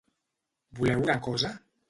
Voleu una cosa?